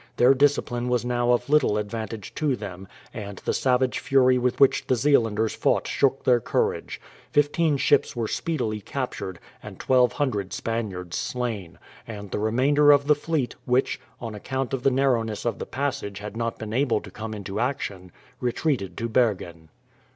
Their discipline was now of little advantage to them, and the savage fury with which the Zeelanders fought shook their courage. Fifteen ships were speedily captured and 1200 Spaniards slain, and the remainder of the fleet, which, on account of the narrowness of the passage had not been able to come into action, retreated to Bergen.